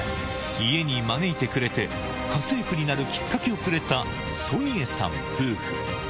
家に招いてくれて、家政婦になるきっかけをくれたソニエさん夫婦。